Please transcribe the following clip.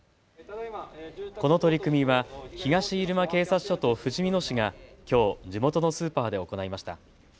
この取り組みは東入間警察署とふじみ野市がきょう地元のスーパーで行いました。